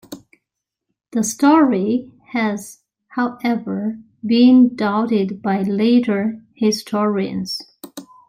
The story has, however, been doubted by later historians.